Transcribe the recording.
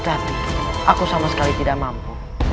tapi aku sama sekali tidak mampu